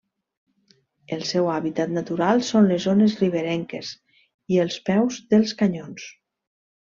El seu hàbitat natural són les zones riberenques i els peus dels canyons.